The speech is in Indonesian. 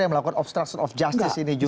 yang melakukan obstruction of justice ini